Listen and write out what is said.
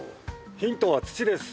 ヒントは土です。